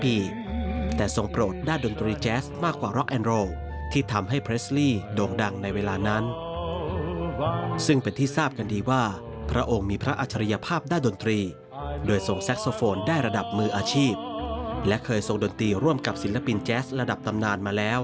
อุตสาหกรรมบันเทิงโลกมากมาย